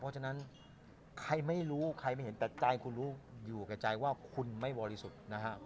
เพราะฉะนั้นใครไม่รู้ใครไม่เห็นแต่ใจคุณรู้อยู่กับใจว่าคุณไม่บริสุทธิ์นะฮะ